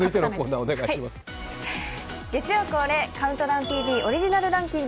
月曜恒例「ＣＤＴＶ」オリジナルランキング。